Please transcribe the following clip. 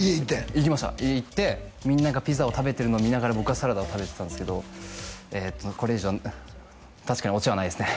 行きました家行ってみんながピザを食べてるの見ながら僕はサラダを食べてたんですけどええとこれ以上確かにオチはないですね